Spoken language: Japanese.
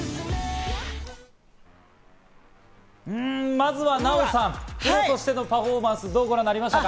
まずはナヲさん、プロとしてのパフォーマンス、どうご覧になりましたか？